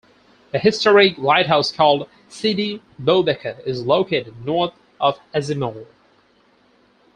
A historic lighthouse called Sidi Boubeker is located north of Azemmour.